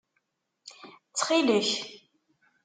Ttxil-k!